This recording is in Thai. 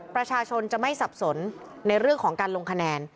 ประชาชนจะไม่สับสนในเรื่องของการลงคะแนน